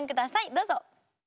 どうぞ！